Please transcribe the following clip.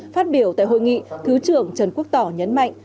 phát biểu tại hội nghị thứ trưởng trần quốc tỏ nhấn mạnh